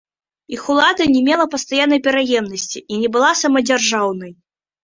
Іх улада не мела пастаяннай пераемнасці і не была самадзяржаўнай.